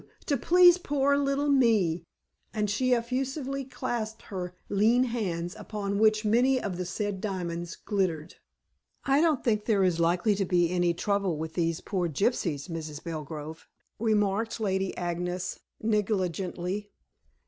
To please poor little me," and she effusively clasped her lean hands, upon which many of the said diamonds glittered. "I don't think there is likely to be any trouble with these poor gypsies, Mrs. Belgrove," remarked Lady Agnes negligently.